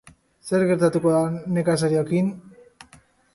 Zer gertatuko da nekazariokin?